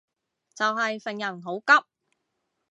就係份人好急